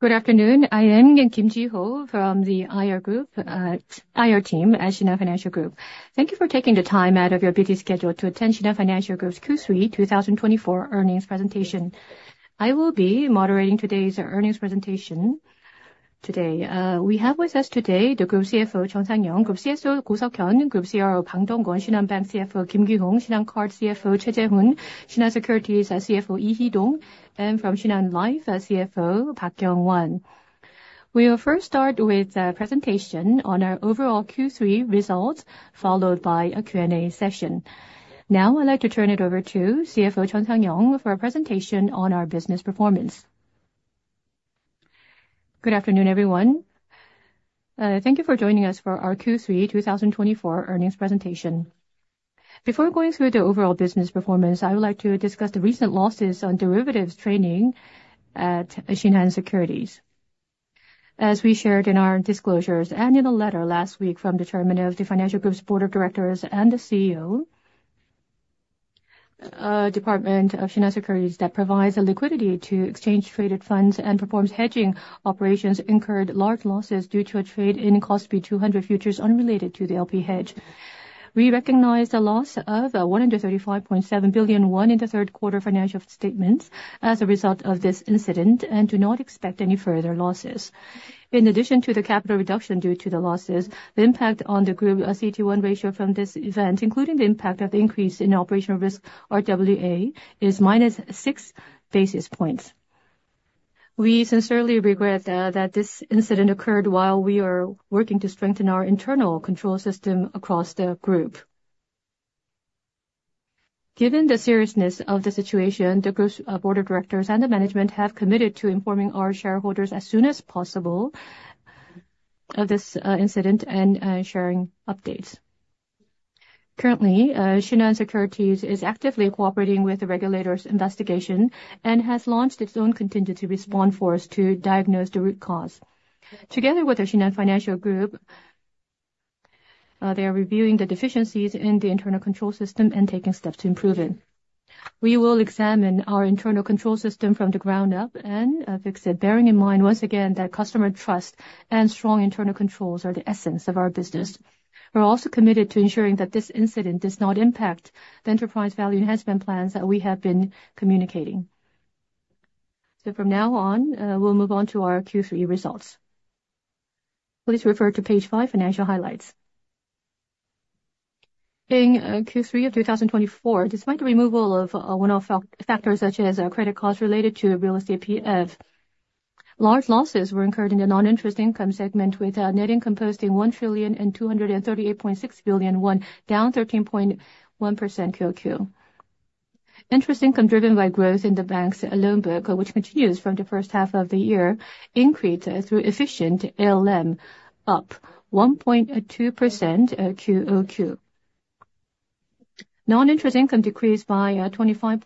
Good afternoon, I am Kim Jiho from the IR Group, IR Team at Shinhan Financial Group. Thank you for taking the time out of your busy schedule to attend Shinhan Financial Group's Q3 2024 earnings presentation. I will be moderating today's earnings presentation today. We have with us today the Group CFO, Cheon Sang-young, Group CSO, Koh Seok-heon, Group CRO, Bang Dong-kwon, Shinhan Bank CFO, Kim Ki-hong, Shinhan Card CFO, Choi Jae-hoon, Shinhan Securities CFO, Lee Hee-dong, and from Shinhan Life, CFO Park Kyung-won. We'll first start with a presentation on our overall Q3 results, followed by a Q&A session. Now, I'd like to turn it over to CFO Cheon Sang-young for a presentation on our business performance. Good afternoon, everyone. Thank you for joining us for our Q3 2024 earnings presentation. Before going through the overall business performance, I would like to discuss the recent losses on derivatives trading at Shinhan Securities. As we shared in our disclosures and in a letter last week from the chairman of the Shinhan Financial Group's board of directors and the CEO, department of Shinhan Securities that provides liquidity to exchange traded funds and performs hedging operations, incurred large losses due to a trade in KOSPI 200 futures unrelated to the LP hedge. We recognized a loss of 135.7 billion won in the third quarter financial statements as a result of this incident and do not expect any further losses. In addition to the capital reduction due to the losses, the impact on the group, CET1 ratio from this event, including the impact of the increase in operational risk RWA, is -6 basis points. We sincerely regret that this incident occurred while we are working to strengthen our internal control system across the group. Given the seriousness of the situation, the group's board of directors and the management have committed to informing our shareholders as soon as possible of this incident and sharing updates. Currently, Shinhan Securities is actively cooperating with the regulators' investigation and has launched its own contingency response force to diagnose the root cause. Together with the Shinhan Financial Group, they are reviewing the deficiencies in the internal control system and taking steps to improve it. We will examine our internal control system from the ground up and fix it, bearing in mind once again that customer trust and strong internal controls are the essence of our business. We're also committed to ensuring that this incident does not impact the enterprise value enhancement plans that we have been communicating. So from now on, we'll move on to our Q3 results. Please refer to page 5, financial highlights. In Q3 of 2024, despite the removal of one-off factors, such as credit costs related to real estate PF, large losses were incurred in the non-interest income segment, with net income posting 1.2386 trillion, down 13.1% QoQ. Interest income, driven by growth in the bank's loan book, which continues from the first half of the year, increased through efficient ALM, up 1.2% QoQ. Non-interest income decreased by 25.6%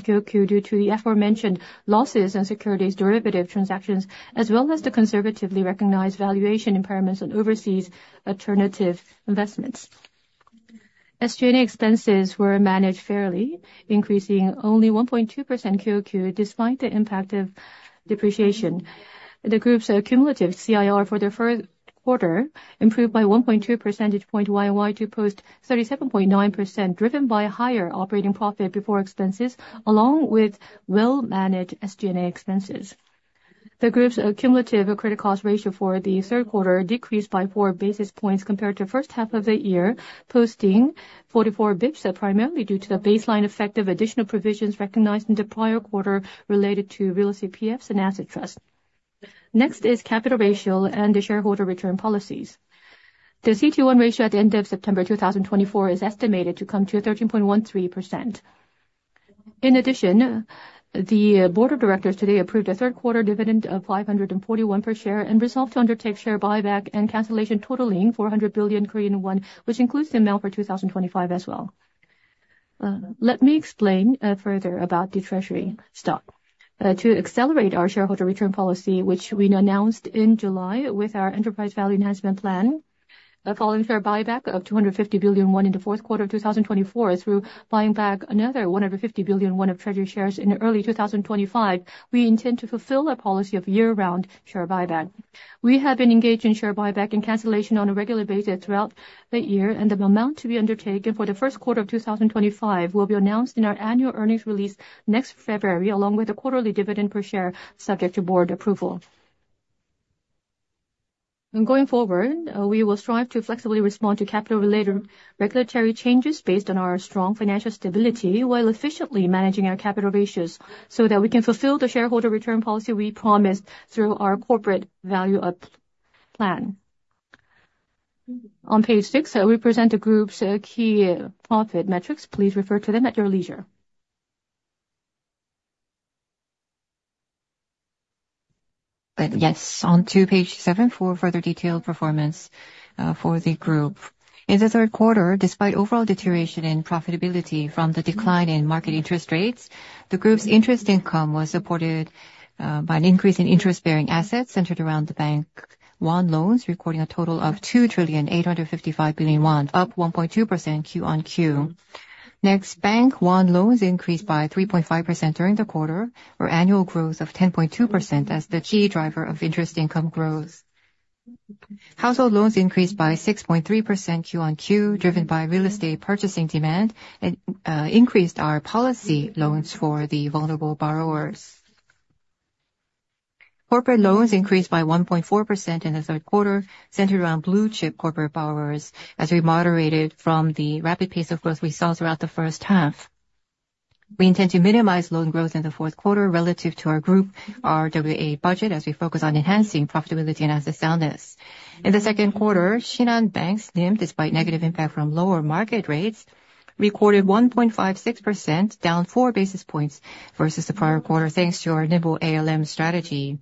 QoQ due to the aforementioned losses in securities derivative transactions, as well as the conservatively recognized valuation impairments on overseas alternative investments. SG&A expenses were managed fairly, increasing only 1.2% QoQ, despite the impact of depreciation. The group's cumulative CIR for the third quarter improved by 1.2 percentage point YoY to post 37.9%, driven by higher operating profit before expenses, along with well-managed SG&A expenses. The group's cumulative credit cost ratio for the third quarter decreased by four basis points compared to first half of the year, posting 44 basis points, primarily due to the baseline effect of additional provisions recognized in the prior quarter related to real estate PFs and Asset Trust. Next is capital ratio and the shareholder return policies. The CET1 ratio at the end of September 2024 is estimated to come to 13.13%. In addition, the board of directors today approved a third quarter dividend of 541 per share and resolved to undertake share buyback and cancellation totaling 400 billion Korean won, which includes the amount for 2025 as well. Let me explain further about the treasury stock. To accelerate our shareholder return policy, which we announced in July with our enterprise value enhancement plan, following share buyback of 250 billion won in the fourth quarter of 2024, through buying back another 150 billion won of treasury shares in early 2025, we intend to fulfill our policy of year-round share buyback. We have been engaged in share buyback and cancellation on a regular basis throughout the year, and the amount to be undertaken for the first quarter of 2025 will be announced in our annual earnings release next February, along with the quarterly dividend per share, subject to board approval, and going forward, we will strive to flexibly respond to capital-related regulatory changes based on our strong financial stability, while efficiently managing our capital ratios, so that we can fulfill the shareholder return policy we promised through our Corporate Value-up Plan. On page six, we present the group's key profit metrics. Please refer to them at your leisure. Yes, on to page seven for further detailed performance for the group. In the third quarter, despite overall deterioration in profitability from the decline in market interest rates, the group's interest income was supported by an increase in interest-bearing assets centered around the bank-... KRW loans, recording a total of 2,850 billion won, up 1.2% QoQ. Next, bank KRW loans increased by 3.5% during the quarter, for annual growth of 10.2% as the key driver of interest income growth. Household loans increased by 6.3% QoQ, driven by real estate purchasing demand, and increased our policy loans for the vulnerable borrowers. Corporate loans increased by 1.4% in the third quarter, centered around blue-chip corporate borrowers, as we moderated from the rapid pace of growth we saw throughout the first half. We intend to minimize loan growth in the fourth quarter relative to our group, our RWA budget, as we focus on enhancing profitability and asset soundness. In the second quarter, Shinhan Bank's NIM, despite negative impact from lower market rates, recorded 1.56%, down four basis points versus the prior quarter, thanks to our nimble ALM strategy.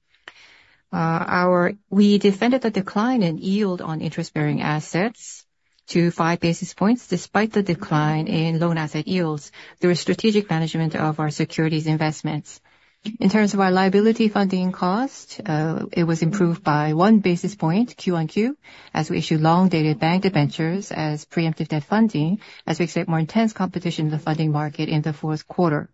We defended the decline in yield on interest-bearing assets to five basis points, despite the decline in loan asset yields, through strategic management of our securities investments. In terms of our liability funding cost, it was improved by one basis point QoQ, as we issued long-dated bank debentures as preemptive debt funding, as we expect more intense competition in the funding market in the fourth quarter.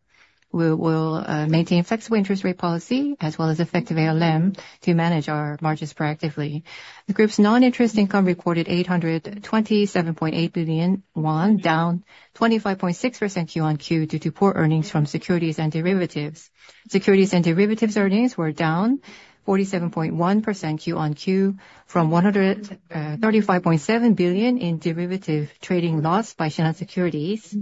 We will maintain flexible interest rate policy as well as effective ALM to manage our margins proactively. The group's non-interest income recorded 827.8 billion won, down 25.6% QoQ, due to poor earnings from securities and derivatives. Securities and derivatives earnings were down 47.1% QoQ, from 135.7 billion in derivative trading loss by Shinhan Securities,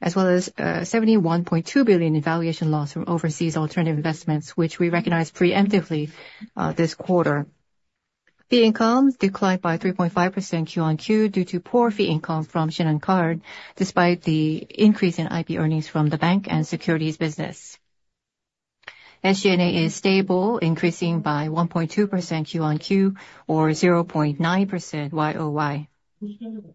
as well as 71.2 billion in valuation loss from overseas alternative investments, which we recognized preemptively this quarter. Fee income declined by 3.5% QoQ due to poor fee income from Shinhan Card, despite the increase in IB earnings from the bank and securities business. SG&A is stable, increasing by 1.2% QoQ or 0.9% YoY.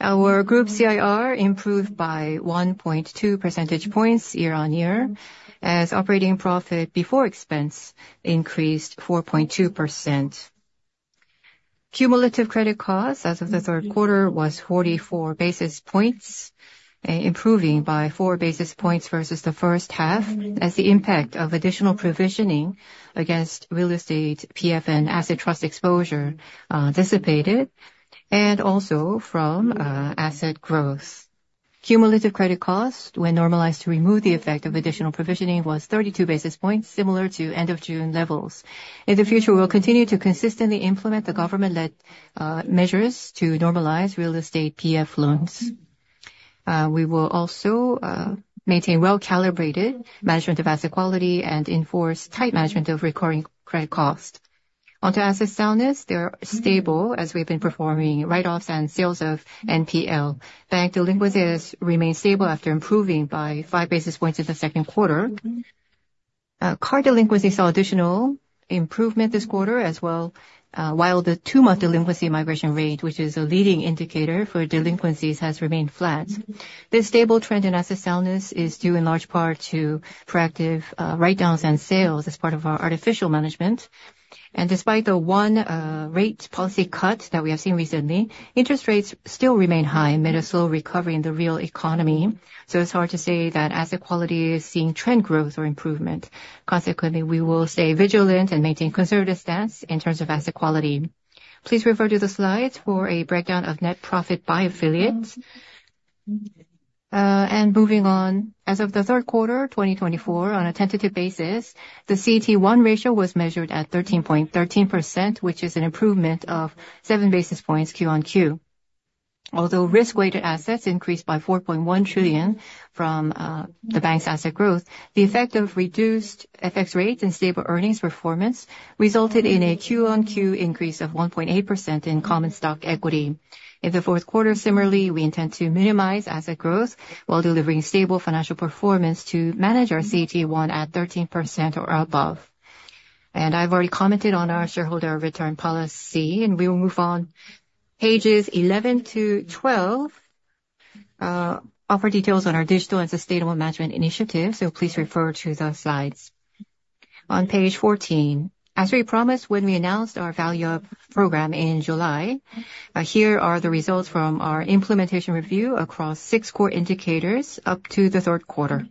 Our group CIR improved by 1.2 percentage points year-on-year, as operating profit before expense increased 4.2%. Cumulative credit cost as of the third quarter was forty-four basis points, improving by four basis points versus the first half, as the impact of additional provisioning against real estate PF Asset Trust exposure dissipated, and also from asset growth. Cumulative credit cost, when normalized to remove the effect of additional provisioning, was thirty-two basis points, similar to end of June levels. In the future, we'll continue to consistently implement the government-led measures to normalize real estate PF loans. We will also maintain well-calibrated management of asset quality and enforce tight management of recurring credit cost. Onto asset soundness, they are stable as we've been performing write-offs and sales of NPL. Bank delinquencies remain stable after improving by five basis points in the second quarter. Card delinquencies saw additional improvement this quarter as well, while the two-month delinquency migration rate, which is a leading indicator for delinquencies, has remained flat. This stable trend in asset soundness is due in large part to proactive write-downs and sales as part of our asset management. And despite the one rate policy cut that we have seen recently, interest rates still remain high amid a slow recovery in the real economy, so it's hard to say that asset quality is seeing trend growth or improvement. Consequently, we will stay vigilant and maintain conservative stance in terms of asset quality. Please refer to the slides for a breakdown of net profit by affiliates. And moving on, as of the third quarter, 2024, on a tentative basis, the CET1 ratio was measured at 13%, which is an improvement of seven basis points QoQ. Although risk-weighted assets increased by 4.1 trillion from the bank's asset growth, the effect of reduced FX rates and stable earnings performance resulted in a QoQ increase of 1.8% in common stock equity. In the fourth quarter, similarly, we intend to minimize asset growth while delivering stable financial performance to manage our CET1 at 13% or above. And I've already commented on our shareholder return policy, and we will move on. Pages 11 to 12 offer details on our digital and sustainable management initiatives, so please refer to the slides. On page fourteen, as we promised when we announced our Value-up Program in July, here are the results from our implementation review across six core indicators up to the third quarter.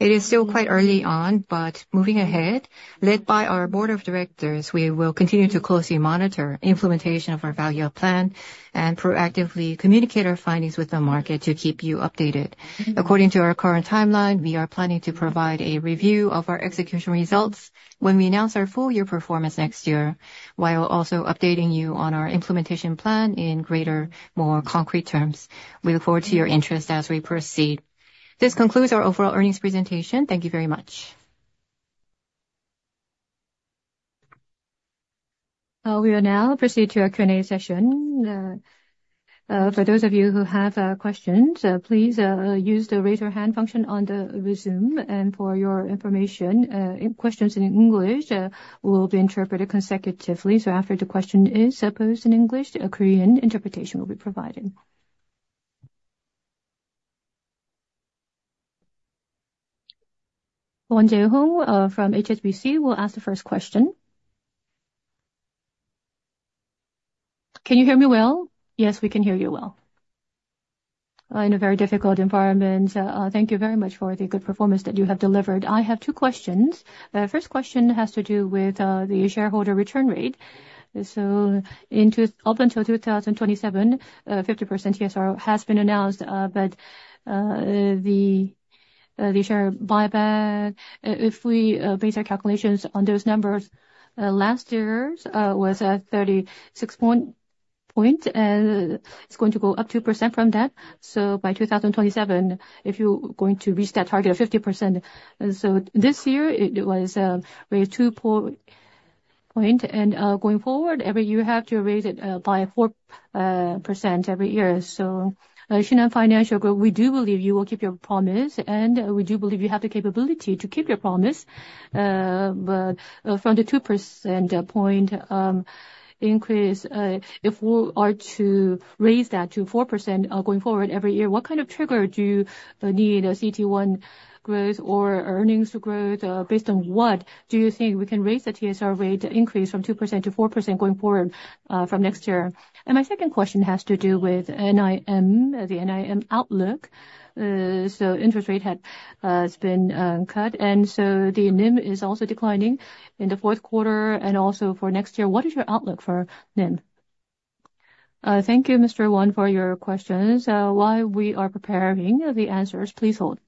It is still quite early on, but moving ahead, led by our board of directors, we will continue to closely monitor implementation of our Value-up Plan and proactively communicate our findings with the market to keep you updated. According to our current timeline, we are planning to provide a review of our execution results when we announce our full year performance next year, while also updating you on our implementation plan in greater, more concrete terms. We look forward to your interest as we proceed. This concludes our overall earnings presentation. Thank you very much. We will now proceed to our Q&A session. For those of you who have questions, please use the Raise Your Hand function on the Zoom. And for your information, questions in English will be interpreted consecutively. So after the question is posed in English, a Korean interpretation will be provided. ... Won-Jae Hong from HSBC will ask the first question. Can you hear me well? Yes, we can hear you well. In a very difficult environment, thank you very much for the good performance that you have delivered. I have two questions. The first question has to do with the shareholder return rate. So up until 2027, 50% TSR has been announced, but the share buyback, if we base our calculations on those numbers, last year's was at 36%, and it's going to go up 2% from that. So by 2027, if you're going to reach that target of 50%, so this year it was raised 2%, and going forward, every year you have to raise it by 4% every year. Shinhan Financial Group, we do believe you will keep your promise, and we do believe you have the capability to keep your promise. But from the 2 percentage-point increase, if we are to raise that to 4% going forward every year, what kind of trigger do you need, a CET1 growth or earnings growth? Based on what do you think we can raise the TSR rate increase from 2% to 4% going forward from next year? My second question has to do with NIM, the NIM outlook. So interest rate has been cut, and so the NIM is also declining in the fourth quarter and also for next year. What is your outlook for NIM? Thank you, Mr. Hong, for your questions. While we are preparing the answers, please hold.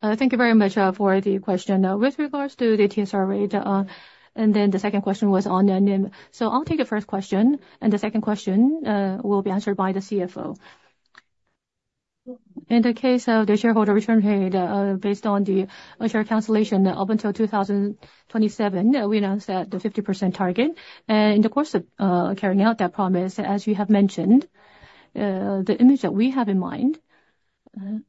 Thank you very much for the question. With regards to the TSR rate, and then the second question was on the NIM. So I'll take the first question, and the second question will be answered by the CFO. In the case of the shareholder return rate, based on the share cancellation up until 2027, we announced that the 50% target. And in the course of carrying out that promise, as you have mentioned, the image that we have in mind,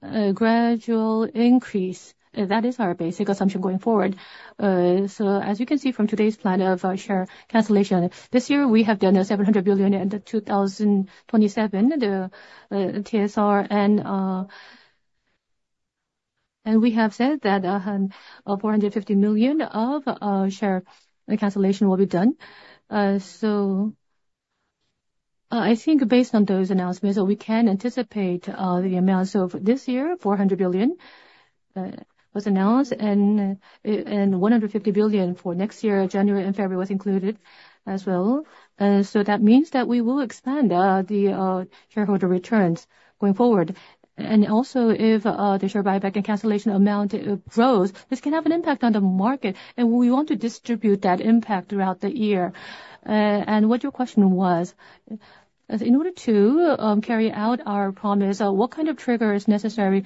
a gradual increase. That is our basic assumption going forward. So as you can see from today's plan of our share cancellation, this year we have done 700 billion, and 2027, the TSR, and... And we have said that 450 million of share cancellation will be done. So, I think based on those announcements, we can anticipate the amounts of this year. 400 billion was announced, and 150 billion for next year. January and February was included as well. So that means that we will expand the shareholder returns going forward. And also, if the share buyback and cancellation amount grows, this can have an impact on the market, and we want to distribute that impact throughout the year. And what your question was, in order to carry out our promise, what kind of trigger is necessary?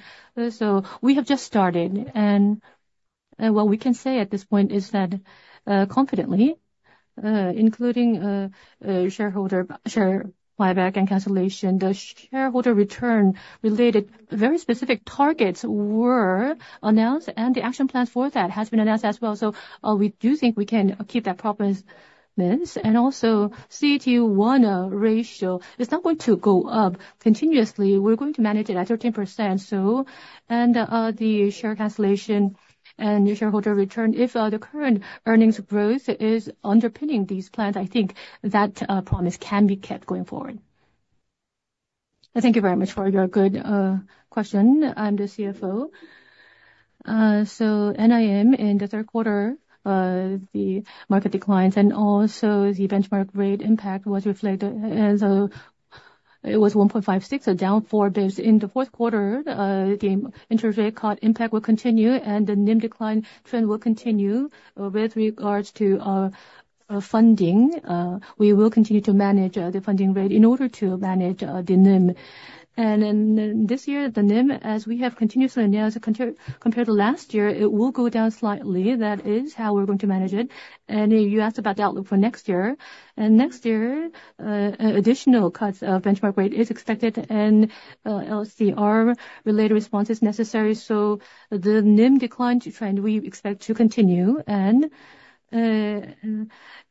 So we have just started, and what we can say at this point is that confidently, including share buyback and cancellation, the shareholder return-related very specific targets were announced, and the action plan for that has been announced as well. So we do think we can keep that promise. And also, CET1 ratio is not going to go up continuously. We're going to manage it at 13%. So, and the share cancellation and new shareholder return, if the current earnings growth is underpinning these plans, I think that promise can be kept going forward. Thank you very much for your good question. I'm the CFO. So NIM in the third quarter, the market declines and also the benchmark rate impact was reflected as... It was 1.56, so down four basis points. In the fourth quarter, the interbank rate cut impact will continue, and the NIM decline trend will continue. With regards to funding, we will continue to manage the funding rate in order to manage the NIM. And then this year, the NIM, as we have continuously announced compared to last year, it will go down slightly. That is how we're going to manage it. And you asked about the outlook for next year. And next year, additional cuts of benchmark rate is expected, and LCR-related response is necessary. So the NIM decline trend we expect to continue, and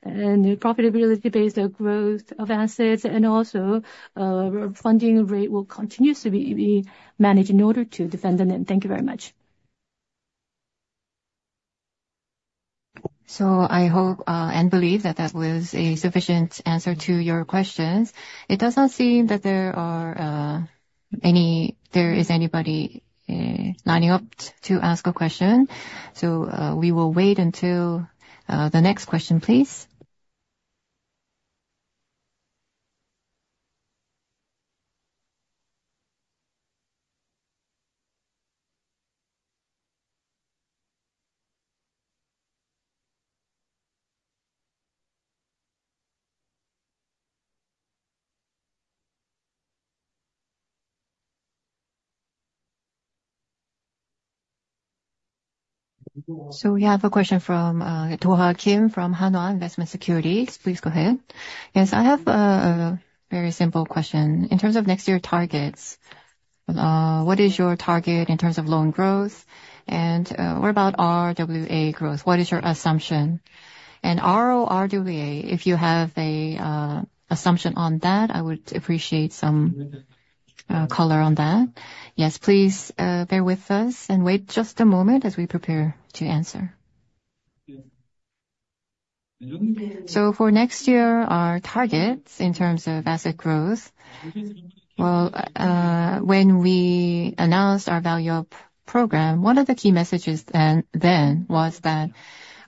the profitability based on growth of assets and also funding rate will continue to be managed in order to defend the NIM. Thank you very much. I hope and believe that that was a sufficient answer to your questions. It does not seem that there is anybody lining up to ask a question, so we will wait until the next question, please. We have a question from Do Ha Kim from Hanwha Investment & Securities. Please go ahead. Yes, I have a very simple question. In terms of next year targets.... What is your target in terms of loan growth? And, what about RWA growth? What is your assumption? And RORWA, if you have a assumption on that, I would appreciate some color on that. Yes, please, bear with us and wait just a moment as we prepare to answer. For next year, our targets in terms of asset growth, well, when we announced our value up program, one of the key messages then was that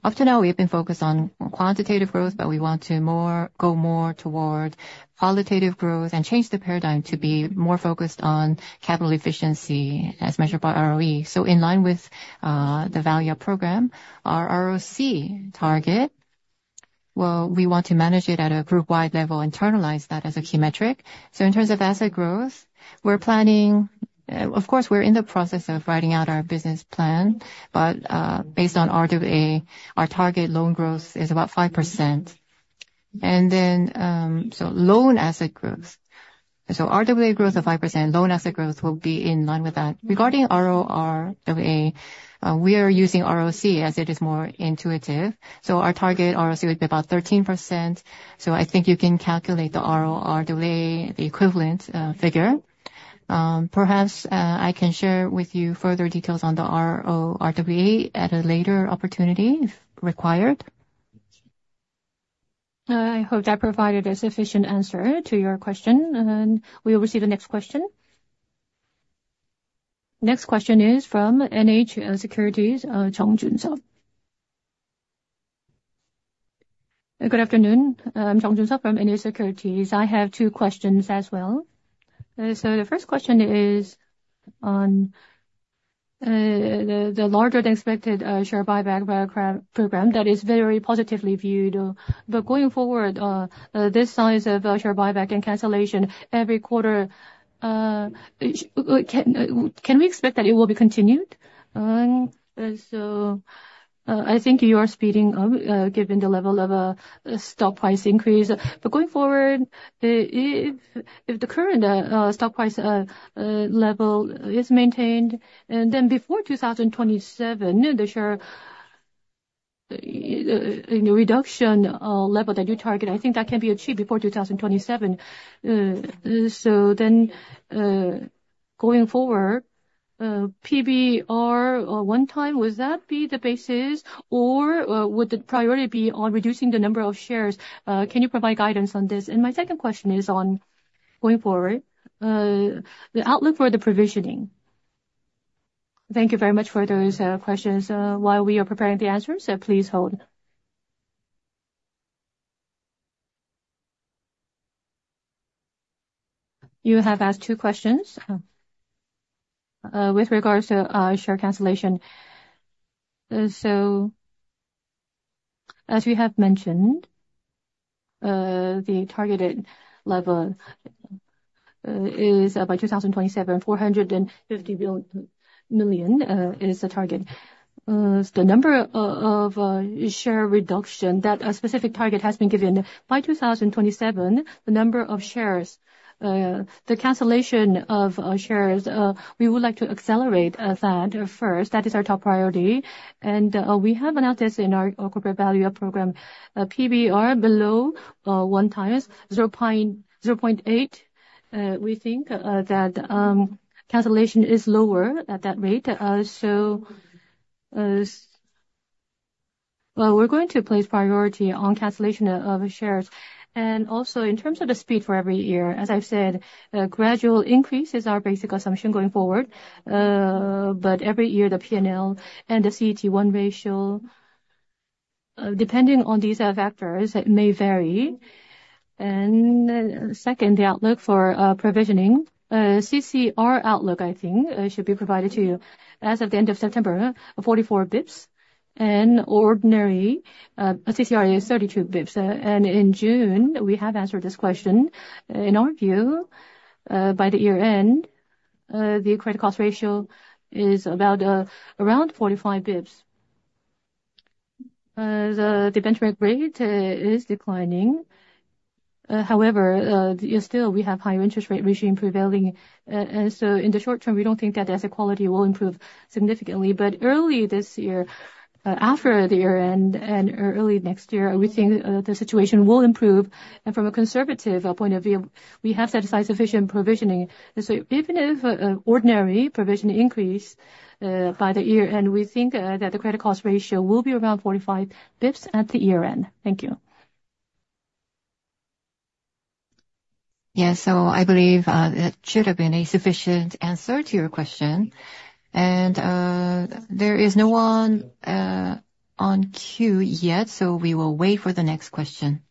up to now, we've been focused on quantitative growth, but we want to more toward qualitative growth and change the paradigm to be more focused on capital efficiency as measured by ROE. In line with the value up program, our ROC target, well, we want to manage it at a group-wide level, internalize that as a key metric. In terms of asset growth, we're planning, of course, we're in the process of writing out our business plan, but, based on RWA, our target loan growth is about 5%. And then, so loan asset growth. RWA growth of 5%, loan asset growth will be in line with that. Regarding RORWA, we are using ROC as it is more intuitive, so our target ROC would be about 13%. So I think you can calculate the RORWA, the equivalent, figure. Perhaps, I can share with you further details on the RORWA at a later opportunity, if required. I hope that provided a sufficient answer to your question, and we will receive the next question. Next question is from NH Securities, Jun Sup Jung. Good afternoon, Jun-Sup Jung from NH Investment & Securities. I have two questions as well. So the first question is on the larger-than-expected share buyback program that is very positively viewed. But going forward, this size of share buyback and cancellation every quarter, can we expect that it will be continued? And so, I think you are speeding up given the level of stock price increase. But going forward, if the current stock price level is maintained, and then before 2027, the share reduction level that you target, I think that can be achieved before 2027. So then, going forward, PBR one time, would that be the basis, or would the priority be on reducing the number of shares? Can you provide guidance on this? And my second question is on going forward, the outlook for the provisioning. Thank you very much for those questions. While we are preparing the answers, please hold. You have asked two questions. With regards to share cancellation, so as we have mentioned, the targeted level is by 2027, 450 billion is the target. The number of share reduction, that specific target has been given. By 2027, the number of shares, the cancellation of shares, we would like to accelerate that first. That is our top priority. We have announced this in our Corporate Value-up Program, PBR below one times, zero point eight. We think that cancellation is lower at that rate. So, well, we're going to place priority on cancellation of shares. Also, in terms of the speed for every year, as I've said, a gradual increase is our basic assumption going forward. But every year, the P&L and the CET1 ratio, depending on these factors, it may vary. Second, the outlook for provisioning, CCR outlook, I think, should be provided to you. As of the end of September, 44 basis points and ordinary CCR is 32 basis points. And in June, we have answered this question. In our view, by the year-end, the credit cost ratio is about around 45 basis points. The benchmark rate is declining. However, still, we have higher interest rate regime prevailing. And so in the short term, we don't think that the asset quality will improve significantly. But early this year, after the year-end and early next year, we think the situation will improve. And from a conservative point of view, we have set aside sufficient provisioning. So even if ordinary provision increase by the year-end, we think that the credit cost ratio will be around 45 basis points at the year-end. Thank you. Yeah, so I believe that should have been a sufficient answer to your question. And, there is no one in queue yet, so we will wait for the next question.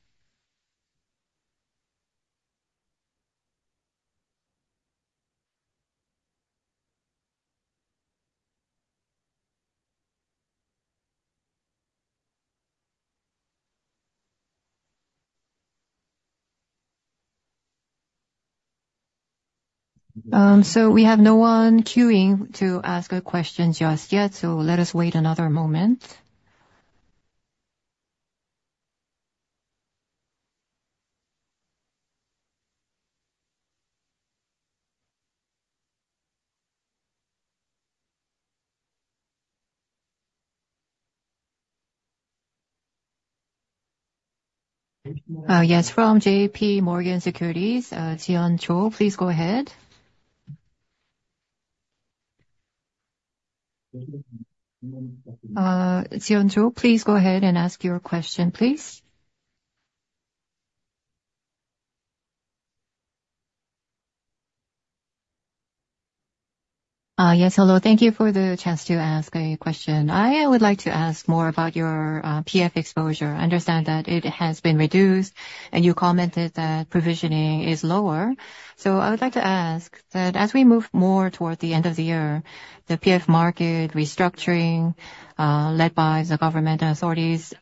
So we have no one queuing to ask a question just yet, so let us wait another moment... Yes, from J.P. Morgan, Xian Zhou, please go ahead. Xian Zhou, please go ahead and ask your question, please. Yes, hello. Thank you for the chance to ask a question. I would like to ask more about your PF exposure. I understand that it has been reduced, and you commented that provisioning is lower. So I would like to ask that as we move more toward the end of the year, the PF market restructuring led by the government authorities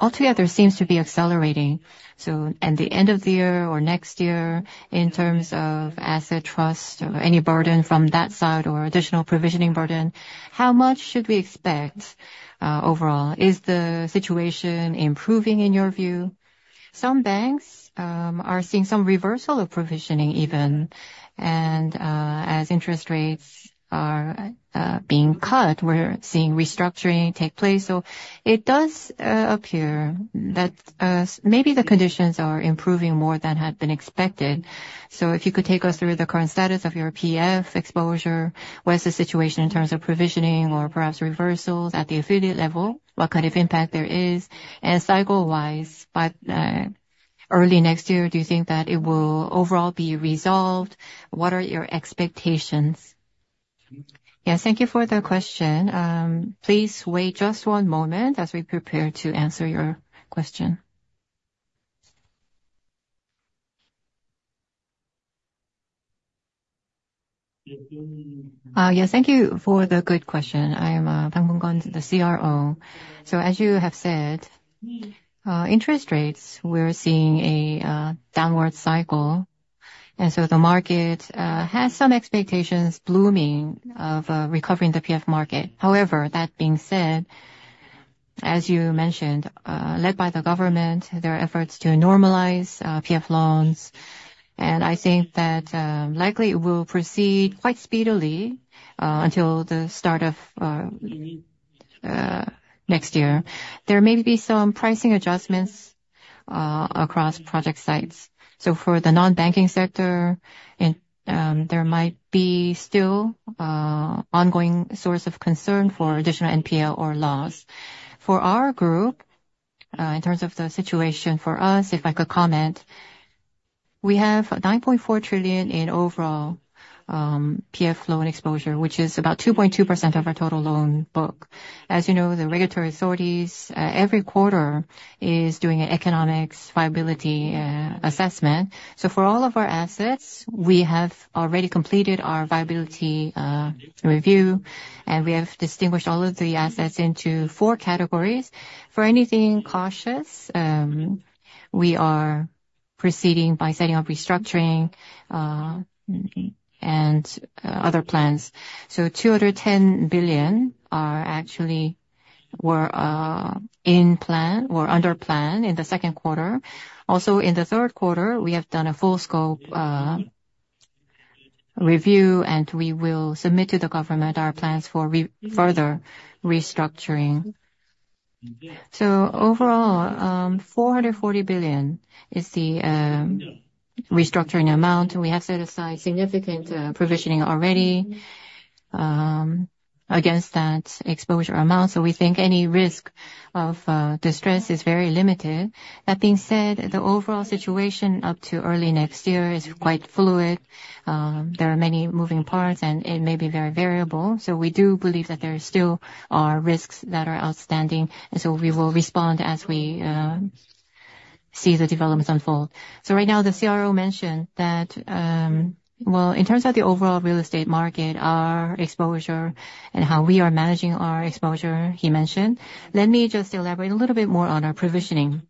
altogether seems to be accelerating. So at the end of the year or next year, in terms of Asset Trust, any burden from that side or additional provisioning burden, how much should we expect overall? Is the situation improving in your view? Some banks are seeing some reversal of provisioning even, and as interest rates are being cut, we're seeing restructuring take place. So it does appear that maybe the conditions are improving more than had been expected. So if you could take us through the current status of your PF exposure, what is the situation in terms of provisioning or perhaps reversals at the affiliate level? What kind of impact there is, and cycle-wise, by early next year, do you think that it will overall be resolved? What are your expectations? Yes, thank you for the question. Please wait just one moment as we prepare to answer your question. Yes, thank you for the good question. I am Bang Dong-kwon, the CRO. So as you have said, interest rates, we're seeing a downward cycle, and so the market has some expectations blooming of recovering the PF market. However, that being said, as you mentioned, led by the government, there are efforts to normalize PF loans, and I think that likely it will proceed quite speedily until the start of next year. There may be some pricing adjustments across project sites. So for the non-banking sector, there might be still ongoing source of concern for additional NPL or loss. For our group, in terms of the situation for us, if I could comment, we have 9.4 trillion in overall PF loan exposure, which is about 2.2% of our total loan book. As you know, the regulatory authorities every quarter is doing an economic viability assessment. So for all of our assets, we have already completed our viability review, and we have distinguished all of the assets into four categories. For anything cautious, we are proceeding by setting up restructuring and other plans. So 210 billion are actually, were, in plan or under plan in the second quarter. Also, in the third quarter, we have done a full-scope review, and we will submit to the government our plans for further restructuring. So overall, 440 billion is the restructuring amount, and we have set aside significant provisioning already against that exposure amount. So we think any risk of distress is very limited. That being said, the overall situation up to early next year is quite fluid. There are many moving parts, and it may be very variable. So we do believe that there still are risks that are outstanding, and so we will respond as we see the developments unfold. So right now, the CRO mentioned that, well, in terms of the overall real estate market, our exposure and how we are managing our exposure, he mentioned. Let me just elaborate a little bit more on our provisioning.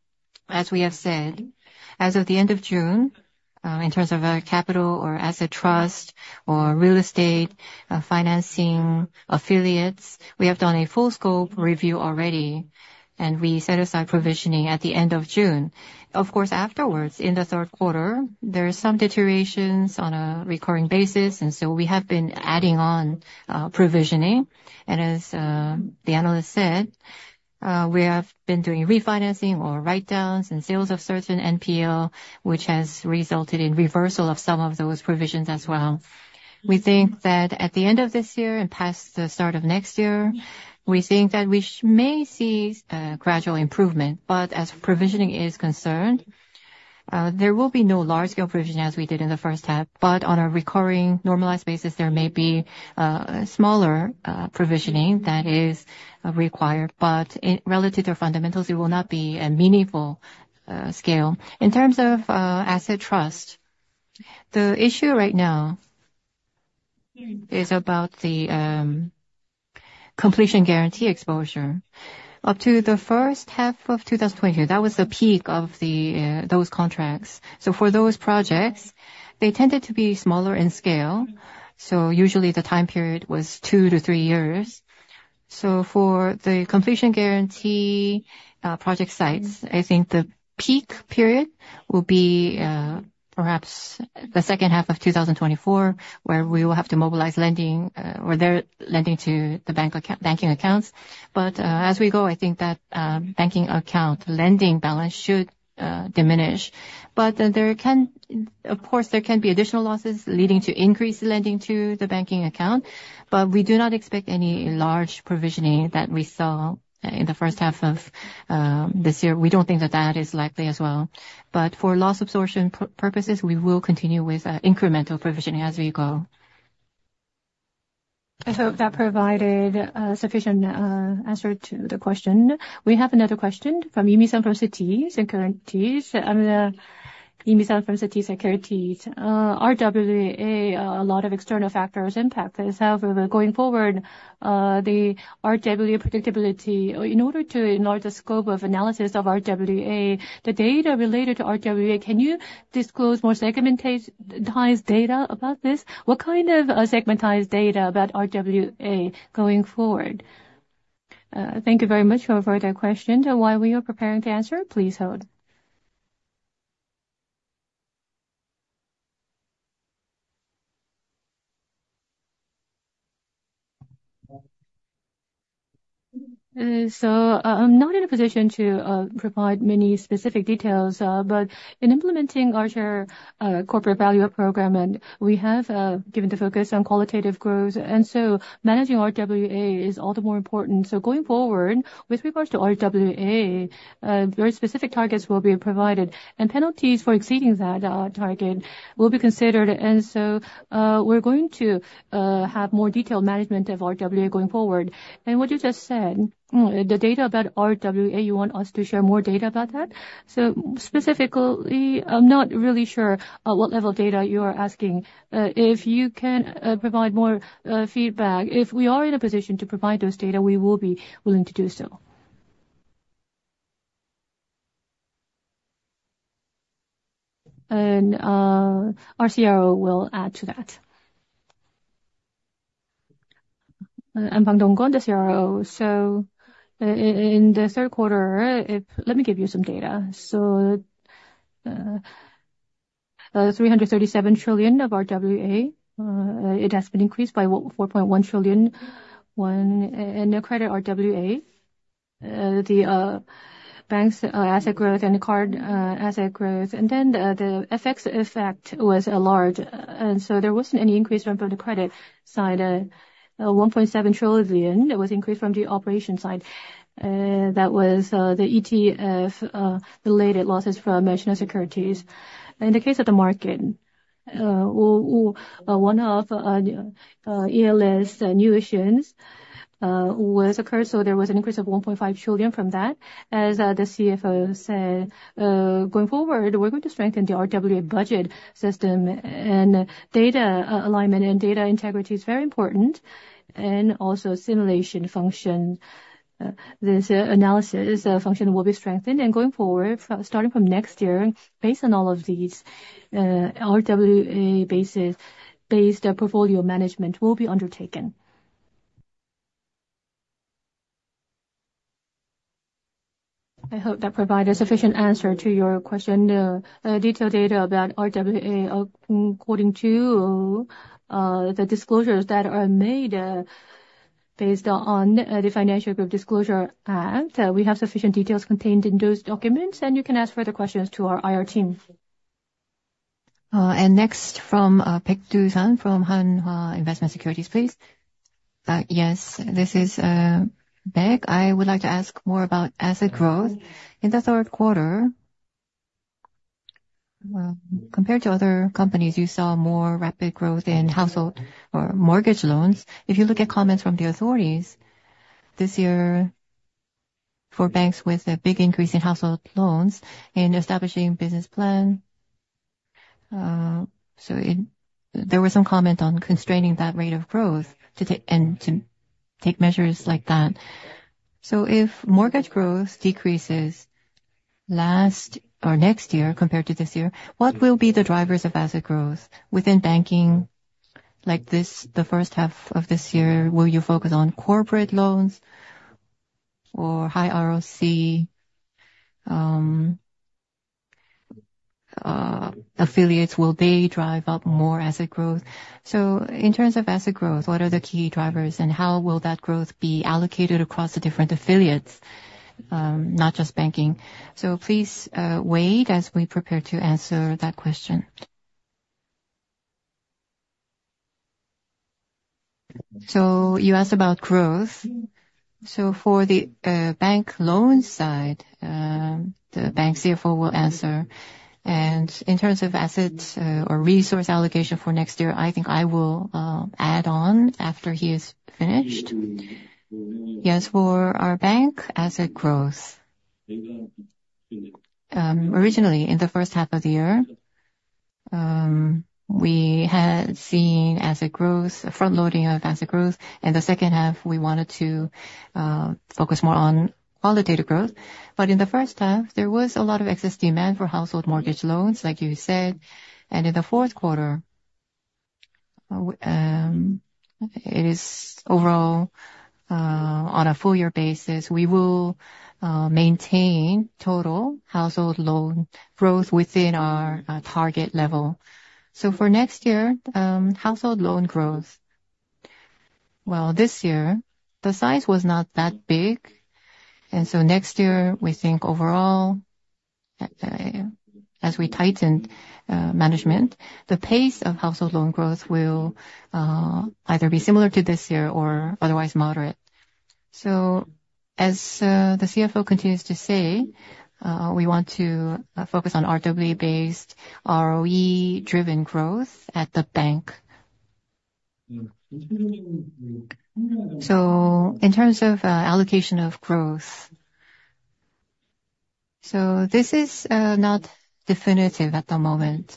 As we have said, as of the end of June, in terms of our capital or Asset Trust or real estate, financing affiliates, we have done a full-scope review already, and we set aside provisioning at the end of June. Of course, afterwards, in the third quarter, there are some deteriorations on a recurring basis, and so we have been adding on, provisioning. And as, the analyst said, we have been doing refinancing or write-downs and sales of certain NPL, which has resulted in reversal of some of those provisions as well. We think that at the end of this year and past the start of next year, we think that we may see, gradual improvement, but as provisioning is concerned, there will be no large-scale provisioning as we did in the first half. But on a recurring normalized basis, there may be smaller provisioning that is required, but in relative to fundamentals, it will not be a meaningful scale. In terms of Asset Trust, the issue right now is about the completion guarantee exposure. Up to the first half of 2020, that was the peak of those contracts. So for those projects, they tended to be smaller in scale, so usually the time period was two to three years. So for the completion guarantee project sites, I think the peak period will be perhaps the second half of 2024, where we will have to mobilize lending or their lending to the banking accounts. But as we go, I think that banking account lending balance should diminish. But, there can, of course, there can be additional losses leading to increased lending to the banking account, but we do not expect any large provisioning that we saw in the first half of this year. We don't think that that is likely as well. But for loss absorption purposes, we will continue with incremental provisioning as we go. I hope that provided sufficient answer to the question. We have another question from Yafei Mi from Citi, Yafei Mi from Citi. RWA, a lot of external factors impact this. However, going forward, the RWA predictability, in order to enlarge the scope of analysis of RWA, the data related to RWA, can you disclose more segmented data about this? What kind of segmented data about RWA going forward? Thank you very much for a further question. While we are preparing to answer, please hold. So I'm not in a position to provide many specific details, but in implementing our Corporate Value-up Program, and we have given the focus on qualitative growth, and so managing RWA is all the more important. So going forward, with regards to RWA, very specific targets will be provided, and penalties for exceeding that target will be considered. And so, we're going to have more detailed management of RWA going forward. And what you just said, the data about RWA, you want us to share more data about that? So specifically, I'm not really sure what level of data you are asking. If you can provide more feedback, if we are in a position to provide those data, we will be willing to do so. And our CRO will add to that. I'm Bang Dong-kwon, the CRO. In the third quarter, let me give you some data. So, 337 trillion of RWA has been increased by 4.1 trillion in the credit RWA. The banks' asset growth and card asset growth, and then the FX effect was large, and so there wasn't any increase from the credit side. 1.7 trillion was increased from the operation side. That was the ETF related losses from Shinhan Securities. In the case of the market, one ELS new issuance was occurred, so there was an increase of 1.5 trillion from that. As the CFO said, going forward, we're going to strengthen the RWA budget system, and data alignment and data integrity is very important, and also simulation function. This analysis function will be strengthened, and going forward, starting from next year, based on all of these, RWA based portfolio management will be undertaken. I hope that provided a sufficient answer to your question. The detailed data about RWA, according to the disclosures that are made, based on the Financial Group Disclosure Act, we have sufficient details contained in those documents, and you can ask further questions to our IR Team. And next from Baek Doo-san from Hanwha Investment & Securities, please. Yes, this is Baek. I would like to ask more about asset growth. In the third quarter, compared to other companies, you saw more rapid growth in household or mortgage loans. If you look at comments from the authorities this year, for banks with a big increase in household loans in establishing business plan, so there was some comment on constraining that rate of growth to take and to take measures like that. So if mortgage growth decreases last or next year compared to this year, what will be the drivers of asset growth within banking like this, the first half of this year? Will you focus on corporate loans or high ROC affiliates? Will they drive up more asset growth? So in terms of asset growth, what are the key drivers, and how will that growth be allocated across the different affiliates, not just banking? So please, wait as we prepare to answer that question. So you asked about growth. So for the bank loan side, the bank CFO will answer. And in terms of assets or resource allocation for next year, I think I will add on after he is finished. Yes, for our bank asset growth, originally, in the first half of the year, we had seen asset growth, front-loading of asset growth, in the second half, we wanted to focus more on qualitative growth. But in the first half, there was a lot of excess demand for household mortgage loans, like you said, and in the fourth quarter, it is overall, on a full year basis, we will maintain total household loan growth within our target level. So for next year, household loan growth, well, this year, the size was not that big, and so next year, we think overall, as we tighten management, the pace of household loan growth will either be similar to this year or otherwise moderate, so as the CFO continues to say, we want to focus on RWA-based ROE-driven growth at the bank, so in terms of allocation of growth, so this is not definitive at the moment.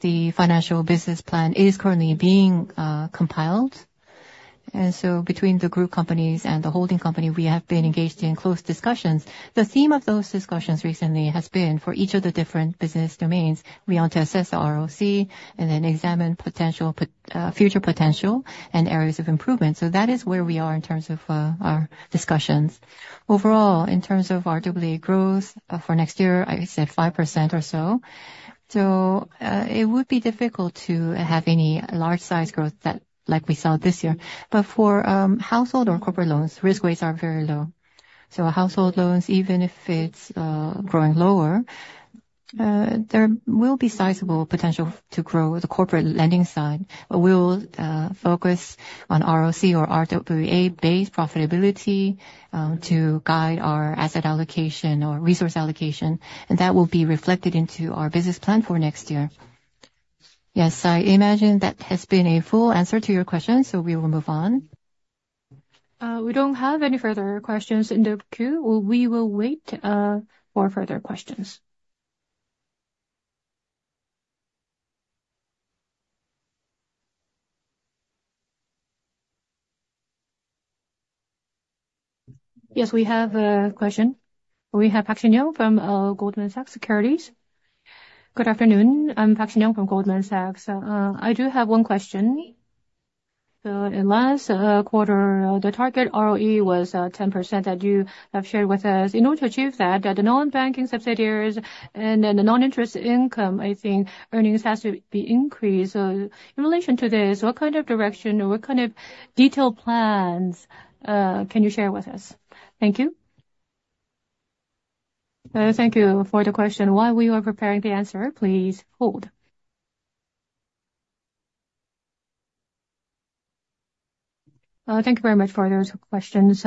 The financial business plan is currently being compiled, and so between the group companies and the holding company, we have been engaged in close discussions. The theme of those discussions recently has been for each of the different business domains, we want to assess the ROC and then examine potential, future potential and areas of improvement. So that is where we are in terms of our discussions. Overall, in terms of RWA growth, for next year, I would say 5% or so. So it would be difficult to have any large-size growth that like we saw this year. But for household or corporate loans, risk rates are very low. So household loans, even if it's growing lower, there will be sizable potential to grow the corporate lending side. But we will focus on ROC or RWA-based profitability to guide our asset allocation or resource allocation, and that will be reflected into our business plan for next year. Yes, I imagine that has been a full answer to your question, so we will move on. We don't have any further questions in the queue. We will wait for further questions. Yes, we have a question. We have Sinyoung Park from Goldman Sachs. Good afternoon. I'm Sinyoung Park from Goldman Sachs. I do have one question. In last quarter, the target ROE was 10% that you have shared with us. In order to achieve that, the non-banking subsidiaries and then the non-interest income, I think earnings has to be increased. In relation to this, what kind of direction or what kind of detailed plans can you share with us? Thank you. Thank you for the question. While we are preparing the answer, please hold. Thank you very much for those questions.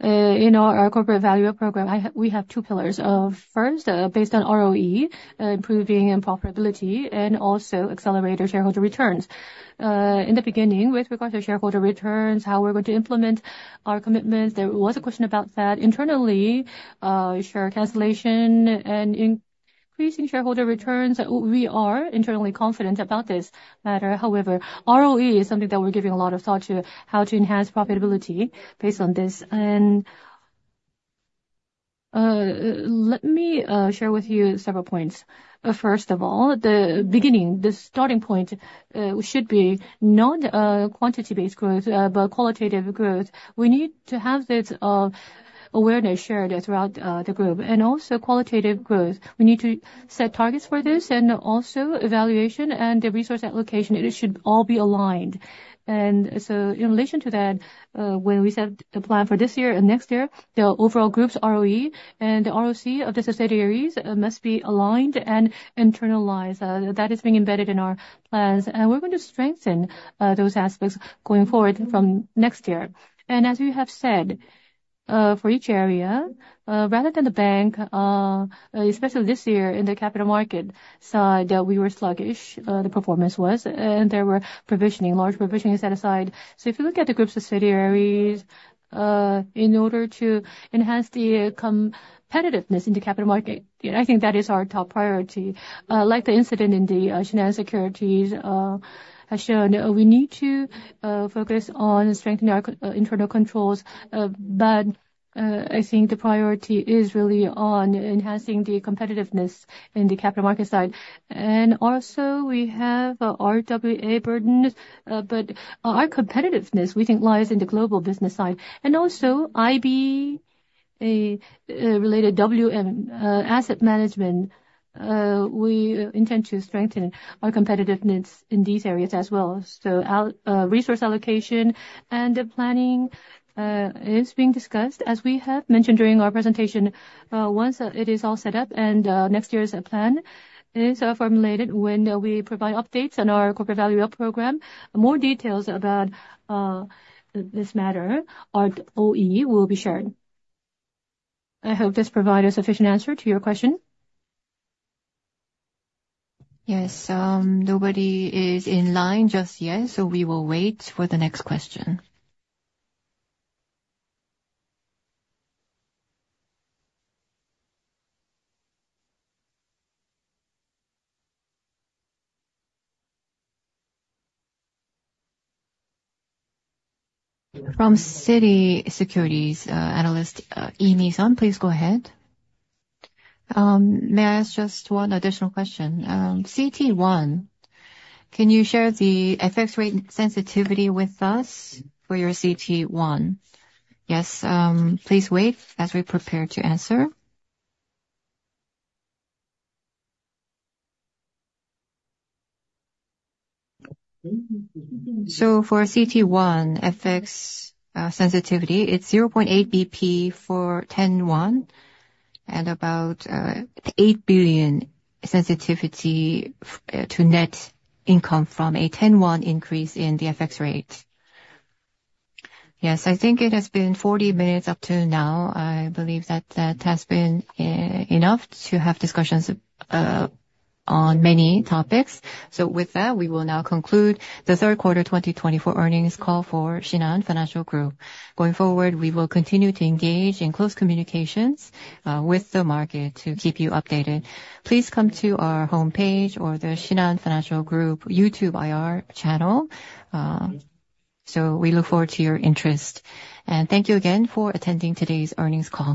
In our corporate Value-up Program, we have two pillars. First, based on ROE improving and profitability, and also accelerated shareholder returns. In the beginning, with regard to shareholder returns, how we're going to implement our commitments, there was a question about that. Internally, share cancellation and increasing shareholder returns, we are internally confident about this matter. However, ROE is something that we're giving a lot of thought to how to enhance profitability based on this. And, let me share with you several points. First of all, the beginning, the starting point should be not quantity-based growth, but qualitative growth. We need to have this awareness shared throughout the group. And also qualitative growth, we need to set targets for this, and also evaluation and the resource allocation, it should all be aligned. And so in relation to that, when we set the plan for this year and next year, the overall group's ROE and the ROC of the subsidiaries must be aligned and internalized. That is being embedded in our plans, and we're going to strengthen those aspects going forward from next year. And as we have said, for each area, rather than the bank, especially this year in the capital market side, we were sluggish, the performance was, and there were provisioning, large provisionings set aside. So if you look at the group subsidiaries, in order to enhance the competitiveness in the capital market, you know, I think that is our top priority. Like the incident in the Shinhan Securities has shown, we need to focus on strengthening our internal controls, but I think the priority is really on enhancing the competitiveness in the capital market side. And also, we have RWA burden, but our competitiveness, we think, lies in the global business side. And also IB related WM asset management we intend to strengthen our competitiveness in these areas as well. So our resource allocation and the planning is being discussed. As we have mentioned during our presentation, once it is all set up and next year's plan is formulated, when we provide updates on our Corporate Value-up Program, more details about this matter, our OE will be shared. I hope this provided a sufficient answer to your question. Yes, nobody is in line just yet, so we will wait for the next question. From Citi, analyst Yafei Mi, please go ahead. May I ask just one additional question? CET1, can you share the FX rate sensitivity with us for your CET1? Yes, please wait as we prepare to answer. So for CET1, FX, sensitivity, it's 0.8 basis points for 10 won, and about 8 billion sensitivity to net income from a 10 increase in the FX rate. Yes, I think it has been 40 minutes up to now. I believe that that has been enough to have discussions on many topics. So with that, we will now conclude the third quarter 2024 earnings call for Shinhan Financial Group. Going forward, we will continue to engage in close communications with the market to keep you updated. Please come to our homepage or the Shinhan Financial Group YouTube IR channel. So we look forward to your interest, and thank you again for attending today's earnings call.